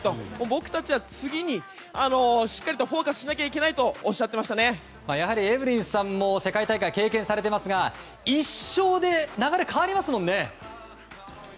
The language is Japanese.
僕たちは次にしっかりとフォーカスしなきゃいけないとエブリンさんも世界大会を経験されていますが１勝で流れは変わりますもんね。